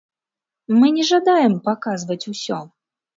Мы не жадаем паказваць усё.